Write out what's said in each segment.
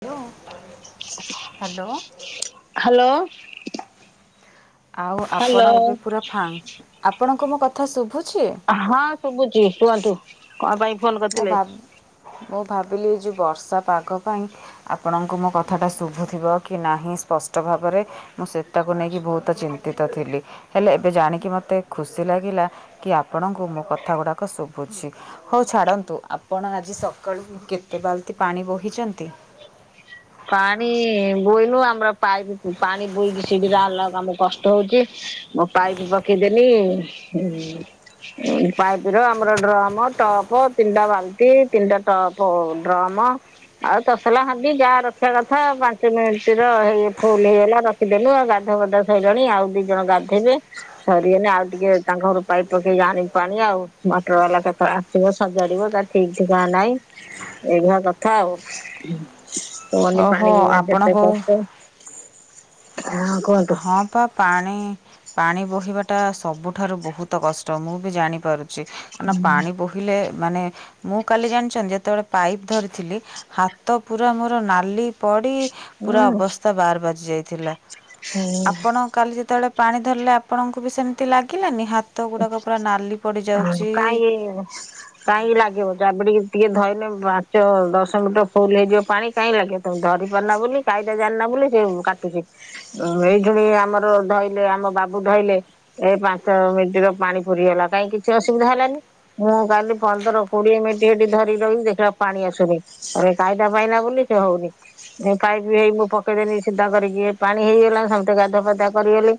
Hello. Hello hello. ଆଉ hello. ଆପଣ ଏବେ ପୁରା ଫାଙ୍କ, ଆପଣଙ୍କୁ ମୋ କଥା ଶୁଭୁ ହଁ ଶୁଭୁଛି କୁହନ୍ତୁ, କଣ ପାଇଁ ଫୋନ ମୁଁ କରିଥିଲେ? ଭା ମୁଁ ଭାବିଲି ଯେ ବର୍ଷା ପାଗ ପାଇଁ, ଆପଣଙ୍କୁ ମୋ କଥାଟା ଶୁଭୁଥିବ କି ନାହିଁ ସ୍ପ ଷ୍ଟ ଭାବରେ, ମୁଁ ସେ ତାକୁ ନେଇକି ବହୁତ ଚିନ୍ତିତ ଥିଲି। ହେଲେ ଏବେ ଜାଣିକି ମୋତେ ଖୁସି ଲାଗ ଗିଲା କି ଆପଣଙ୍କୁ ମୋ କଥା ଗୁଡ଼ାକ ଶୁଭୁଛି, ହଉ ଛାଡ଼ନ୍ତୁ। ଆପଣ ଆଜି ସକାଳୁ କେତେ ବାଲ୍ଟି ପାଣି ବୋହିଛନ୍ତି? ପାଣି ବୋହିନୁ ଆମର ପାଇପ୍, ପାଣି ବୋଇ ସିଡିରେ ଆଣିଲା ବେଳୁ ଆମକୁ କଷ୍ଟ ହଉଛି। ମୋ ପାଇପ୍ ପକେଇଦେଲିି ପାଇପ ର ଆମର ଡ୍ରମ ଟପ୍ ତିନିଟା ବାଲ୍ଟି ତିନିଟା ଟପ୍ ଡ୍ର ମ, ଆଉ ତସଲା ହାଣ୍ଡି ଯା ରଖି ରଖିବା କଥା ପାଞ୍ଚ ମିନିଟ ର ହେଇ ଫୁଲ ହେଇଗଲା ରଖିଦେଲୁ, ଆଉ ଗାଧ ବଧ ସଇିଲଣି ଆଉ ଦି ଜଣ ଗା ଗାଧେଇବେ, ସରିଗନେ ଆଉ ଟିକେ ତାଙ୍କ ଘରୁ ପକେଇକି ଆଣିବି ପାଣି ଆଉ। ମଟର ବାଲା କେତେ ବେଳେ ଆସ ପୁଅ ସଜାଡିବ ତାର ଠିକ୍ ଠିକଣା ନାହିଁ। ଏଇଭଳିଆ କଥା ଆଉ। କୁହନି ଓହୋ ପାଣି ଜି ବିନା ଆପଣ କେତେ କହୁ କଷ୍ଟ। ହଁ କୁହନ୍ତୁ ହଁ ପା ପାଣି ପାଣି ବୋହିବାଟା ସବୁଠାରୁ ବହୁତ କଷ୍ଟ। ମୁଁ ବି ଜାଣିପାରୁ ସେ ଏନା ପାଣି ବୋହିଲେ ମାନେ ମୁଁ କାଲି ଜାଣିଛନ୍ତି। ଯେତେବେଳେ ପାଇପ୍ ଧରିଥିଲି। ହାତ ପୁରା ମୋର ନାଲି ପଡି ପୁରା ହୁଁ ଅବସ୍ଥା ବାର ବାଜି ଯାଇଥିଲା। ହୁଁ ଆପଣ କାଲି ଯେତେବେଳେ ପାଣି ଧରିଲେ ଆପଣଙ୍କୁ ବି ସେମିତି ଲାଗିଲାନି ହାତ ଗୁଡ଼ାକ ପୁରା ନାଲି ହ ପଡ଼ିଯାଉଛି କାଇଁ କାହିଁକି ଲାଗିବ ଜାବୁଡିକି ଟିକେ ଧଇନେ ପାଞ୍ଚ ଦଶ ମିିଟର ଫୁଲ୍ ହେଇଯିବ ପାଣି। କାହିଁ ଲାଗିବ ତମେ ଧରି ପାରୁନା ବୋଲି କାଇଦା ଜାଣିନ ବୋଲି ସେ କାଟୁଛି। ଏଇ ଶୁଣି ଆମର ଧୋଇଲେ ଆମ ବାବୁ ଧଇଲେ ଏ ପାଞ୍ଚ ମିନ ପାଣି ପୁରରିଗଲା କାହିଁ କିଛି ଅସୁବିଧା ହେଲାନି? ମୁଁ କାଲି ପନ୍ଦର କୋଡିଏ ମିନିଟ୍ ହେଟି ଧରି ରହିଲି ଦେ ପୁରା ପାଣି ଆସୁନି, କାଇଦା ପାଇଲା ବୋଲି ସେ ହଉନି ପାଇବି ହେଇ ମୁଁ ପକେଇଦେନି ସିଧା କରିକି ଏ ପାଣି ହେଇଗଲା, ସମସ୍ତେ ଗାଧୁଆ ପାଦୂଆ କରିଗଲେ,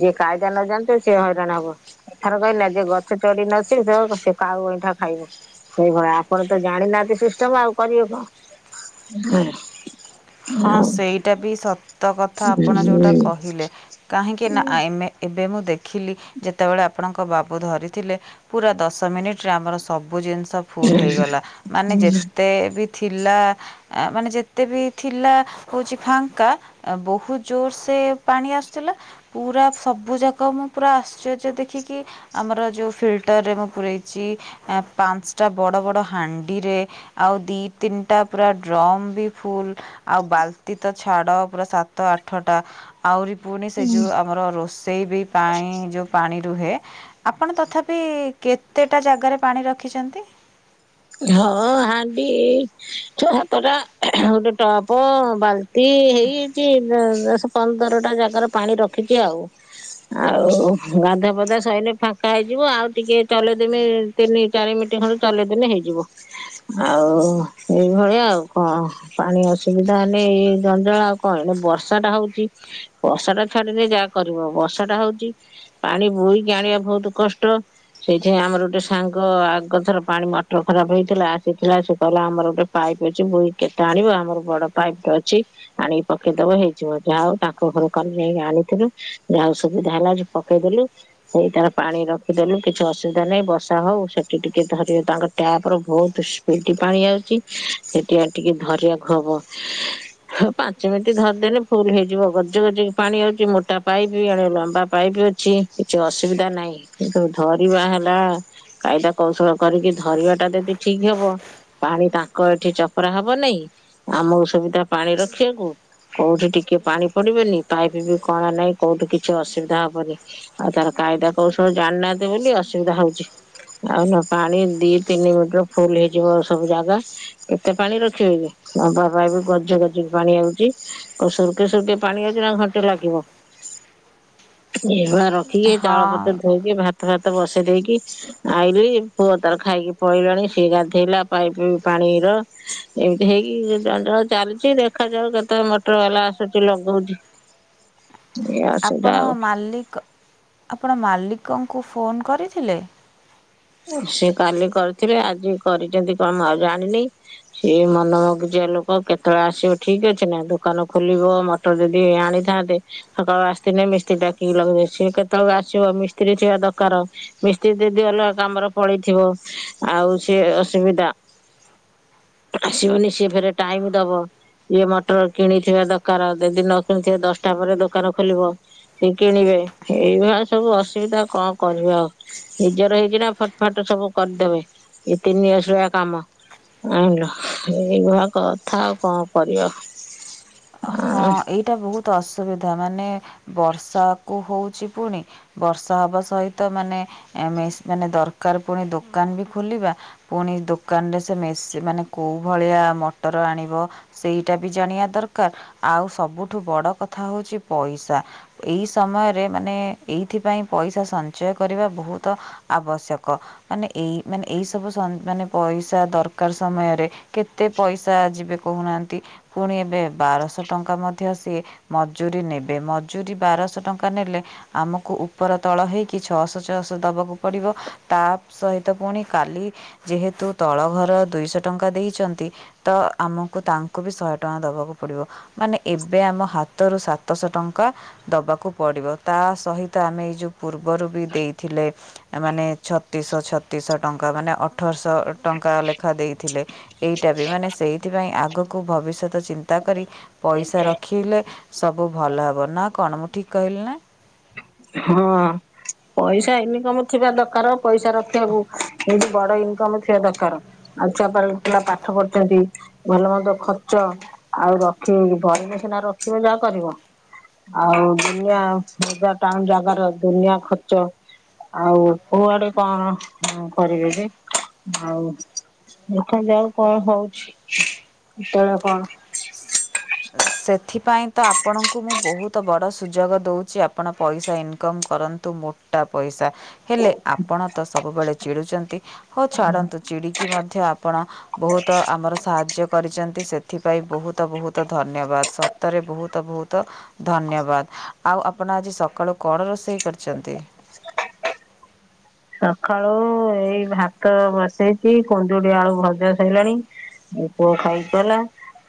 ଯିଏ କାଇଦା ନ ଜାଣିଥିବ ସିଏ ହଇରାଣ ହବ। କଥାରେ କାହିନିନା ଯିଏ ଗଛ ଚଢ଼ି ନ ଶିକ୍ଷିଥିବ, ସେ କାଉ ଅଇଁଠା ଖାଇବ। ସେଇଭଳିଆ ଆପଣ ତ ଜାଣେ ନିନାହାତି ସିଷ୍ଟମ ଆଉ କରିବେ କଣ? [inaudible] ହଁ ସେଇଟା ବି ସତ କଥା ଆପଣ ଯୋଉଟା କହିଲେ। କାହିଁକି ନା ଏ- ଏବେ ମୁଁ ଦେଖ ଦେଖିଲି ଯେତେବେଳେ ଆପଣଙ୍କ ବାବୁ ଧରିଥିଲେ, ପୁରା ଦଶ ମିନିଟରେ ଆମର ସବୁ ସବୁ ଜିନିଷ ଫୁଲ୍ ହେଇଗଲା। ମାନେ ଯେତେ ବି ଥିଲା ମାନେ ଯେତେ ବି ଥିଲା ହଉଛି ଫାଙ୍କା। ବହୁତ ଜୋର ସେ ପାଣି ଆସୁଥିଲା। ପୁରା ସବ ସବୁଯାକ ମୁଁ ପୁରା ଆଶ୍ଚର୍ଯ୍ୟ ଦେଖିକି। ଆମର ଯୋଉ ଫିଲ୍ଟରରେ ମୁଁ ପୁରେଇଛି। ପାଞ୍ଚଟା ବଡ଼ ବଡ଼ ହାଣ୍ଡିରେ, ଆଉ ଦି ତିନିଟା ପୁରା ଡ୍ରମ୍ ବି ଫୁଲ୍ ଆଉ ବାଲତି ତ ଛାଡ ପୁରା ସାତ ଆଠ ଟା ଆହୁରି ଫୁଣି ସେ ଯେଉ ଆମର ରୋଷେଇ ବି ପାଇଁ ଯେଉ ପାଣି ରୁହେ, ଆପଣ ତଥାପି କେତେଟା ଜାଗାରେ ପାଣି ରଖିଛନ୍ତି? ହଁ ହାଣ୍ଡି ଛ, ସାତଟା ଗୋଟେ ଟପ ବାଲ୍ଟି ଏ ହେଇଯାଇଛି, ଦଶ ପନ୍ଦରଟା ଜାଗାରେ ପାଣି ରଖିଛି ଆଉ। ଆଉ ଗାଧୁଆ ପାଦୁଆ ସାରିଲେ ଫାଙ୍କା ହେଇଯିବ। ଆଉ ଟିକେ ଚଲେଇ ଦେମି ତିନି ଚାରି ମିନିଟ ଖଣ୍ଡେ ଚଲେଇଦେଲେ ହେଇଯିବ। ଆଉ ଏଇଭଳିଆ ଆଉ କଣ, ପାଣି ଅସୁବିଧା ହେନେ ଏ ଦ ଣ୍ଡ ଆଉ କଣ। ଏଣେ ବର୍ଷା ଟା ହଉଛି। ବର୍ଷ ଟା ଛାଡିଲେ ଯାହା କରିବ। ବର୍ଷା ଟା ହଉଛି ପାଣି ବୋହିକି ଆଣିବା ବହୁତ କଷ୍ଟ। ସେଇଥିପାଇଁ ଆମର ଗୋଟେ ସାଙ୍ଗ ଆଗଥର ପାଣି ମ ପେଟ ଖରାପ ହେଇଥିଲା। ଆସିଥିଲା ସେ କହିଲା ଆମର ଗୋଟେ ପାଇପ୍ ଅଛି ବହିକି କେତେ ଆଣିବ? ଆମର ଗୋଟେ ବଡ ପାଇପ୍ ଟେ ଅଛି ଆଣିକି ପକେଇଦବ ହେଇଯିବ ଯାହା ହଉ ତାଙ୍କ ଘରୁ କାଲି ଯାଇକି ଆଣିଥିଲୁ ଯାହା ହେଉ ସୁବିଧା ହେଲା ପକେଇଦେଲୁ ସେଇ ଟାରେ ପାଣି ରଖିଦେଲୁ, କିଛି ଅସୁବିଧା ନାହିଁ। ବର୍ଷା ହଉ ସେଠି ଟିକେ ଧରିବେ ତାଙ୍କର ଟ୍ୟାପର ବହୁତ ସ୍ପିଡ ପାଣି ଆଉଛି, ସେଠି ଆଉ ଟିକେ ଧରିବାକୁ ହବ। ହଉ ପାଞ୍ଚ ମିନିଟ ଧରିଦେଲେ ଫୁଲ ହେଇଯିବ। ଗଜ ଗଜ କି ପାଣି ଆଉଛି, ମୋଟା ପାଇପ୍ ବି ଏଣେ ଲମ୍ବା ପାଇପ୍ କିଛି ଅସୁବିଧା ନାହିଁ। କିନ୍ତ ଧରିବା ହେଲା କାଇଦା କୌଶଳ କରିକି ଧରିବା ଟା ଯଦି ଠିକ୍ ହବ ପାଣି ତାଙ୍କ ଏଠି ଚପର ହବ ନାଇଁ। ଆମକୁ ସୁବିଧା ପାଣି ରଖିବାକୁ କୋଉଠି ଟିକେ ପାଣି ପଡିବେନି, ପାଇପ ବି କଣ ନାହିଁ। କୋଉଠି କିଛି ଅସୁବିଧା ହବନି। ଆଉ ତାର କାଇଦା କୌଶଳ ଜାଣିନାହାନ୍ତି ବୋଲି ଅସୁବିଧା ହଉଛି। ଆଉ ନ ପାଣି ଦି ତିନି ମିନିଟ ରେ ଫୁଲ୍ ହେଇଯିବ ସବୁ ଜାଗା। କେତେ ପାଣି ରଖିବେକି? ନମ୍ବା ପାଇପ୍ ପଡିଛି ରଜୁ କୁ ପାଣି ଆଣୁଚି ଆଉ ସୁର୍କେ ସୁର୍କେ ପାଣି ଆଉଚି ନା ଘଣ୍ଟେ ଲାଗିବ। ହଁ [unintelligible] ଟିକେ ଚାଉଳ ପତ୍ର ଧୋଇକି ଭାତ ଫାତ ବସେଇ ଦେଇକି ଆଇଲିି ପୁଅ ତାର ଖାଇକି ପଲେଇଲାଣି ସିଏ ଗାଧେଇଲା ପାଇପି ପାଣିର ଏମିତି ହେଇକି ଜଣେ ଜଣେ ଚା ଚାଲୁଚି ଦେଖାଯାଉ କେତବେଳେ ମଟର ବାଲା ଆସୁଚି ଲଗଉଚି। [inaudible] ଆପଣ ମାଲିକ ଆପଣ ମାଲିକଙ୍କୁ ଫୋନ୍ କରିଥିଲେ? ସିଏ କାଲି କରିଥିବେ ଆଜି କରିଚନ୍ତି କଣ ମୁଁ ଆଉ ଜାଣିନି ସିଏ ମନ ମଗଜିଆ। ଆ ଲୋକ କେତଳେ ଆସିବ ଠିକ ଅଛି ନା ଦୋକାନ ଖୋଲିବ ମଟର ଯଦି ଆଣିଥାନ୍ତେ ସକାଳ ଆ ଦିନେ ମିସ୍ତ୍ରୀ ଡାକିକି ଲଗେଇ ସିଏ କେତବେଳେ ଆସିବ ମିସ୍ତ୍ରୀ ଥିବା ଦରକାର ମିସ୍ତ୍ରୀ ଦିଦି ଗଲ। କାମର ପଳେଇଥିବ ଆଉ ସିଏ ଅସୁବିଦା। ଆସିବନି ସିଏ ଫେରେ ଟାଇମ ଦବ। ଇଏ ମଟର କିଣିଥିବା ଦରକାର ଯଦି ନ କିଣିଥିବେ ଦଶଟା ପରେ ଦୋକାନ ଖୋଲିବ ସେ କିଣିବେ। ଏ ଏଇଭଳିଆ ସବୁ ଅସୁବିଧା କଣ କରିବା ଆଉ ନିଜର ହେଇଚି ନା। ଫଟ୍ ଫାଟ୍ ସବୁ କରିଦେବେ ଇଏ ତିନି ଅସଳିଆ କାମ। ଆଇଁଲ ଏଇ ଭଳିଆ କଥା ଆଉ କଣ କରିବ। ହଁ ଏଇଟା ବହୁତୁ ଅସୁବି ଥା ମାନେ ବର୍ଷାକୁ ହଉଚି ପୁଣି ବର୍ଷା ହବା ସହିତ ମାନେ ଏମି ମେସ ମାନେ ଦରକାର ପୁଣି ଦୋକାନ ବି ଖୋଲିବା ପୁଣି ଦୋକାନରେ ସେ ମେସ୍ ମାନେ କୋଉ ଭ ଳିଆ ମଟର ଆଣିବ ସେଇଟା ବି ଜାଣିବା ଦରକାର। ଆଉ ସବୁଠୁ ବଡ଼ କଥା ହଉଚି ପଇସା ଏଇ ସମୟରେ ମାନେ ଏଇଥିପାଇଁ ପଇସା ସଞ୍ଚୟ କରିବା ବହୁତ ଆବଶ୍ୟକ ମାନେ ଏଇ ମାନେ ଏଇ ସବୁ ସ ମାନେ ପଇ ପଇସା ଦରକାର ସମୟରେ କେତେ ପଇସା ଯିବେ କହୁନାହାନ୍ତି ଫୁଣି ଏବେ ବାରଶହ ଟଙ୍କା ମଧ୍ଯ ସିଏ ମଜୁରୀ ନେବେ ମଜୁରି ବାରଶ ଟଙ୍କା ନେଲେ ଆମକୁ ଉପର ତ ଳ ହେଇକି ଛଅଶ ଛଅଶ ଦବାକୁ ପଡିବ ତା ସହିତ ପୁଣି କାଲି ଯେହେତୁ ତ ତଳ ଘର ଦୁଇଶହ ଟଙ୍କା ଦେଇଚନ୍ତି ତ ଆମକୁ ତାଙ୍କୁ ବି ଶଏ ଟଙ୍କା ଦବାକୁ ପଡିବ। ମାନେ ଏବେ ଆମ ହାତରୁ ସାତଶହ ଟଙ୍କା ଦବାକୁ ପଡ଼ିବ ତା ସହିତ ଆମେ ଏଇ ଯଉ ପୁର୍ବରୁ ବି ଦେଇଥିଲେ ମାନେ ଛତିଶ ଛତିଶ ଟଙ୍କା ମାନେ ଅଠରଶ ଟ ଟଙ୍କା ଲେଖା ଦେଇଥିଲେ ଏଇଟା ବି ମାନେ ସେଇଥିପାଇଁ ଆଗକୁ ଭବିଷ୍ୟତ ଚିନ୍ତା କରି ପଇସା ରଖିଲେ ସବୁ ଭଲ ହେବ ନା କଣ ମୁଁ ଠିକ୍ କହିଲି ନା? ହଁ ପଇସା ଇନିକମ ଥିବା ଦରକାର ପଇସା ରଖିବା କୁ [unintelligible] ବଡ ଇନକମ୍ ଥିବା ଦରକାର ଆଉ ଛୁଆ ପାଲ ପିଲା ପାଠ ପଢୁଚନ୍ତି ଭଲ ମନ୍ଦ ଖର୍ଚ୍ଚ ଆଉ ରଖିବ [unintelligible] ଧଇନେ ସିନା ରଖିବ ଯାହା କରିବ। ଆଉ ଦୁନିଆ ବଜାର ଟାଉନ୍ ଜାଗାର ଦୁନିଆ ଖର୍ଚ୍ଚ। ଆଉ କୁଆଡେ କଣ ଉଁ କରିବେ କି ଆଉ ଦେଖ ଯାଉ କଣ ହଉଛି କେତେବେଳେ କଣ? ସେଥିପାଇଁ ତ ଆପଣଙ୍କୁ ମୁଁ ବହୁତ ବଡ଼ ସୁଯୋଗ ଦଉଛି ଆପଣ ପଇସା ଇନକମ୍ କର କିନ୍ତୁ ମୋଟା ପଇସା। ହେଲେ ଆପଣ ତ ସବୁବେଳେ ଚିଡୁଚନ୍ତି ହଉ ଛାଡନ୍ତୁ ଚିଡିକି ମଧ୍ୟ ଆପଣ ବହୁତ ଆମର ସାହାଯ୍ୟ କରିଚନ୍ତି ସେଥିପାଇଁ ବହୁତ ବହୁତ ଧନ୍ୟ ବାଦ୍ ସତରେ ବହୁତ ବହୁତ ଧନ୍ୟବାଦ ଆଉ ଆପଣ ଆଜି ସକାଳୁ କଣ ରୋଷେଇ କରିଚନ୍ତି? ହ ସଖାଳୁ ଏଇ ଭାତ ବସେଇକି କୁନ୍ଦୁଡ଼ି ଆଳୁ ଭଜା ସଇଲାଣି। ମୋ ପୁଅ ଖାଇକି ଗଲା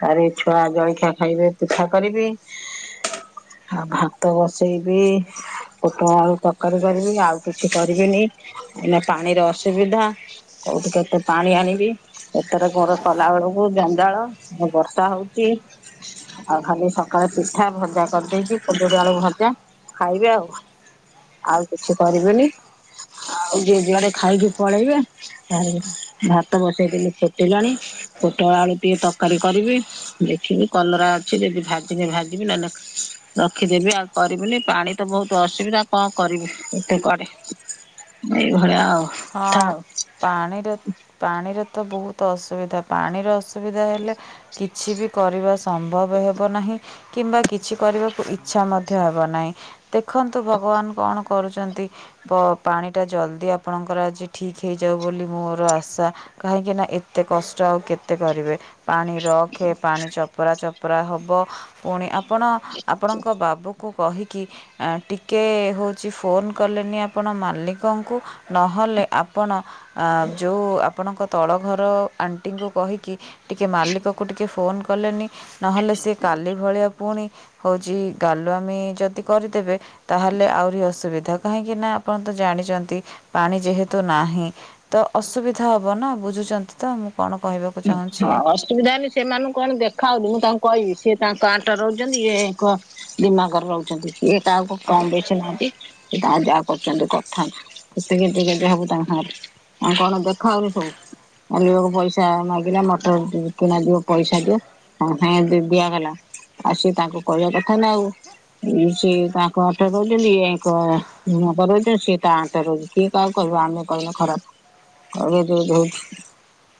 ତାରେ ଛୁଆ ଜଳଖିଆ ଖାଇବେ ପିଠା କରିବି। ଆଉ ଭାତ ବସେଇବି ପୋଟଳ ଆଳୁ ତରକାରୀ କରିବି ଆଉ କିଛି କରିବିନି। ଏଇନା ପାଣିରେ ଅସୁବିଧା। କୋଉଠୁ କେତେ ପାଣି ଆଣିବି ଓପର ଘର କଲା ବେଳକୁ ଜଞ୍ଜାଳ [unintelligible] ବର୍ଷା ହଉଚି। [unintelligible] ଆଉ ଖାଲି ସକାଳେ ପିଠା ଭଜା କରିଦେଇଚି କୁନ୍ଦୁରି ଆଳୁ ଭଜା ଖାଇବେ ଆଉ। ଆଉ କିଛି କରିବିନି। ଆଉ ଜେ ଜୁଆଡେ ଖାଇକି ପଳେଇବେ ତାପରେ ଭାତ ବସେଇଦେଲି ଫୁଟିଲାଣି। ପୋଟଳ ଆଳୁ ଟିକେ ତରକାରୀ କରିବି ଦେଖିବି କଲରା ଅଛି ଯଦି ଭାଜିବି ଭାଜିବି ନହେଲେ ରଖିଦେବି ଆଉ କରିବିନି ପାଣି ବୋହୁତ ଅସୁବିଧା କଣ କରିବି ଏତେ କୁଆଡେ ଏଇଭଳିଆ ହଁ ଥାଉ। ପାଣିର ପାଣିର ତ ବୋହୁତ ଅସୁବିଧା ପାଣିର ଅସୁବିଧା ହେଲେ କିଛି ବି କରିବା ସ ମ୍ଭବ ହେବ ନାହିଁ କିମ୍ବା କିଛି କରିବାକୁ ଇ ଚ୍ଛା ମଧ୍ୟ ହେବ ନାହିଁ। ଦେଖନ୍ତୁ ଭଗବାନ କଣ କରୁଛନ୍ତି ପ-ପାଣିଟା ଜଲ୍ଦି ଯଦି ଆପଣଙ୍କର ଆଜି ଠିକ୍ ହେଇଯାଉ ବୋଲି ମୋର ଆଶା କାହିଁକି ନା ଏତେ କଷ୍ଟ ଆଉ କେତେ କରିବେ। ପାଣି ରଖେ ପାଣି ଚପରା ଚପରା ହବ। ପୁଣି ଆପଣ ଆପଣଙ୍କ ବାବୁକୁ କହିକି ଟିକେ ହୋଉଚି ଫୋନ କଲେନି। ଆପଣ ମାଲିକଙ୍କୁ ନହେଲେ ଆପଣ ଯୋଉ ଆପଣଙ୍କ ତଳ ଘର ଆଣ୍ଟିଙ୍କୁ କହିକି ଟିକିଏ ମାଲିକକୁ ଟିକିଏ ଫୋନ୍ କଲେନି। ନହେଲେ ସିଏ କାଲି ଭଳିଆ ଫୁଣି ହୋଉଚି ଗାଲୁଆମି ଯଦି କରିଦେବେ ତାହେଲେ ଆହୁରି ଅସୁବିଧା। କାହିଁକି ନା ଆପଣ ତ ଜାଣିଚନ୍ତି ପାଣି ଯେହେ ତୁ ନାହିଁ ତ ଅସୁବିଧା ହବ ନା ବୁଝୁଚନ୍ତି ତ ମୁଁ କ'ଣ କହିବାକୁ ଚାହୁଁଛି ହଁ ଅସୁବିଧା ହେଲେ ସେମାନଙ୍କୁ କଣ ଦେଖା ହୋଉନି ମୁଁ ତାଙ୍କୁ କହିବି। ସେ ତାଙ୍କ ଆଣ୍ଟରେ ରହୁଚନ୍ତି। ଇଏ ଆଙ୍କ ଦିମାକରେ ରହୁଚନ୍ତି। କିଏ କାହାକୁ କମ ବେଶୀ ନୁହନ୍ତି। ସେ ତାର ଯାହାକୁ କରୁଚନ୍ତି କରୁଥାନ୍ତୁ କେତେ ଗେଜେ ଗେଜେ ହୋବୁ ତାଙ୍କ ସାଙ୍ଗରେ। ଆଉ କଣ ଦେଖାଉନି ସବୁ ମାଲିକୁ ପଇସା ମାଗିଲା ମଟର କିଣା ଯିବ ପଇସା ଦିଅ ସାଙ୍ଗେ ସଙ୍ଗେ ଦିଆଗଲା। ଆଉ ସିଏ ତାଙ୍କୁ କହିବା କଥା ନା ଆଉ। ସିଏ ତାଙ୍କ ଆଣ୍ଟରେ ରହୁଚନ୍ତି ଇଏ ଆଙ୍କ ଗୁଣରେ ରହିଚି ସିଏ ତା ଆଣ୍ଟରେ ରହୁଚି କିଏ କାହାକୁ କ ତାକୁ ଆମେ କହିଲେ ଖରାପ [unintelligible] ଗେଜେ ଗେଜେ ହୋଉଚି।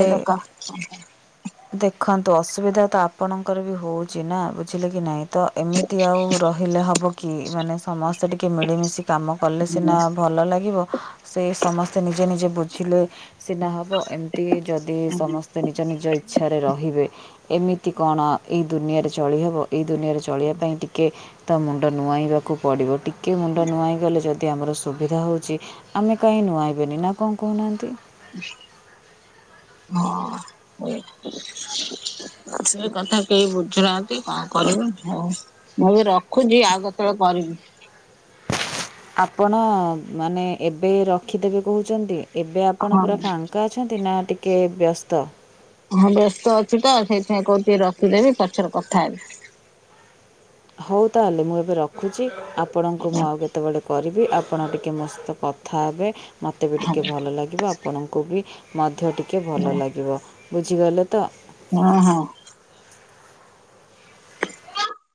ଦେ ଦେଖନ୍ତୁ ଅସୁବିଧା ତ ଆପଣଙ୍କର ବି ହୋଉଚି ନା ବୁଝିଲେ କି ନାଇଁ। ତ ଏମିତି ଆଉ ରହିଲେ ହବ କି ମାନେ ସମସ୍ତେ ଟିକେ ମିଳିମିଶି କାମ କଲେ ସିନା ଭଲ ଲାଗିବ। ସେ ସମସ୍ତେ ନିଜ ନିଜ ବୁଝିଲେ ସିନା ହେବ ଏମିତି ଯଦି ସମସ୍ତେ ନିଜ ନିଜ ଇଚ୍ଛାରେ ରହିବେ ଏମିତି କଣ ଏଇ ଦୁନିଆରେ ଚଳିହବ। ଏଇ ଦୁନିଆରେ ଚଳିବା ପାଇଁ ଟିକେ ତ ମୁଣ୍ଡ ନୁଆଇଁବାକୁ ପଡିବ। ଟିକେ ମୁଣ୍ଡ ନୁଆଇଁଗଲେ ଯଦି ଯଦି ଆମର ସୁବିଧା ହୋଉଚି ଆମେ କାହିଁ ନୂଆ [unintelligible] ନା କଣ କୋହୁନାହାଁନ୍ତି। ହଁ ସେ କଥା କେହି ବୁଝୁନାହାନ୍ତି। କଣ କରିବୁ। ହୋଉ ମୁଁ ଏବେ ରଖୁଚି ଆଉ କେତେବେଳେ କରିବି। ଆପଣ ମାନେ ଏବେ ରଖିଦେବେ କୋହୁଚନ୍ତି? ଏବେ ଆପଣ ହଁ ପୁରା ଫାଙ୍କା ଅଛନ୍ତି ନା ଟିକିେ ବ୍ୟସ୍ତ? ହଁ ବ୍ୟସ୍ତ ଅଛି ତ ସେଇଥିପାଇଁ କୋହୁଚି ରଖିଦେବି ପଛରେ କଥା ହେବି। ହୋଉ ତାହେଲେ ମୁଁ ଏବେ ରଖୁଚି। ଆପଣଙ୍କୁ ମୁଁ ଆଉ କେତେବେଳେ କରିବି ଆପଣ ଟିକେ ମୋ ସହିତ କଥା ହେବେ। ମୋତେ ବି ହଁ ଟିକେ ଭଲ ଲାଗିବ ଆପଣଙ୍କୁ ବି ମଧ୍ୟ ଟିକିଏ ଭଲ ଲାଗିବ ବୁଝିଗଲେ ତ। ହଁ ହଁ।